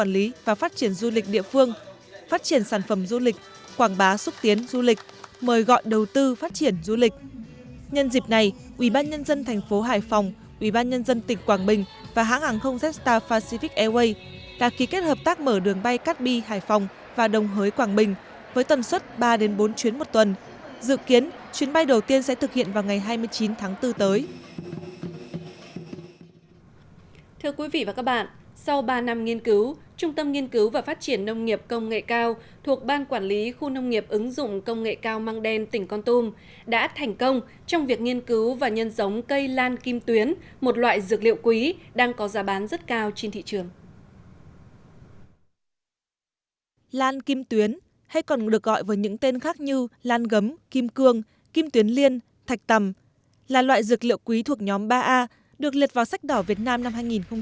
lan kim tuyến hay còn được gọi với những tên khác như lan gấm kim cương kim tuyến liên thạch tầm là loại dược liệu quý thuộc nhóm ba a được liệt vào sách đỏ việt nam năm hai nghìn một mươi sáu